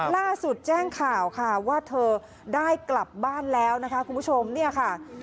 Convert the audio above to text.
ล่าสุดแจ้งข่าวค่ะว่าเธอได้กลับบ้านแล้วนะคะคุณผู้ชมเนี่ยค่ะ